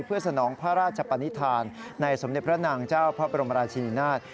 เพื่อสนองพระราชปนิษฐานในสมเด็จพระนางเจ้าพระบรมราชินินาศ